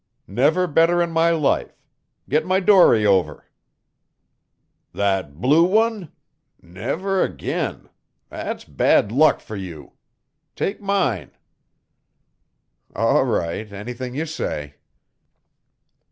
"Never better in my life. Get my dory over." "That blue one? Never again! That's bad luck fer you. Take mine." "All right. Anything you say."